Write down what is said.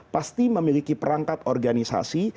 pasti memiliki perangkat organisasi